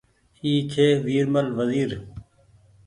اي ڇي ورمل وزير